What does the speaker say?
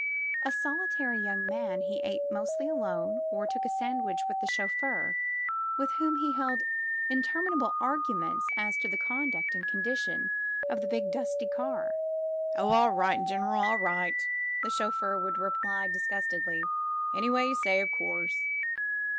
A solitary young man, he ate mostly alone or took a sandwich with the chauffeur, with whom he held interminable arguments as to the conduct and condition of the big, dusty car. *' Oh, all right, gen 'ral, all right, '' the chauffeur would reply disgustedly; any way you say, of course!